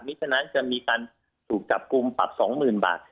ฉะนั้นจะมีการถูกจับกลุ่มปรับ๒๐๐๐บาท